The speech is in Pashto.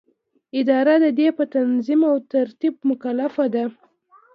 اداره د دې په تنظیم او ترتیب مکلفه ده.